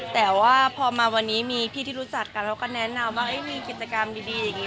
แต่ว่าพอมาวันนี้มีพี่ที่รู้จักกันเราก็แนะนำว่ามีกิจกรรมดีอย่างนี้